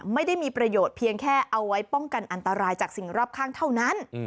ไม่ได้มีประโยชน์เพียงแค่เอาไว้ป้องกันอันตรายจากสิ่งรอบข้างเท่านั้น